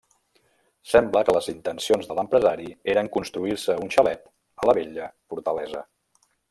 Sembla que les intencions de l'empresari eren construir-se un xalet a la vella fortalesa.